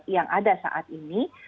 yang ada saat ini